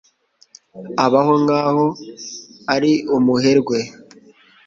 Abaho nkaho ari umuherwe.